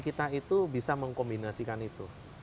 kita itu bisa mengkombinasikan itu